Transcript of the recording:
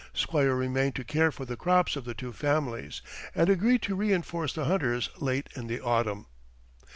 Squire remained to care for the crops of the two families, and agreed to reenforce the hunters late in the autumn.